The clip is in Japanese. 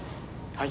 はい。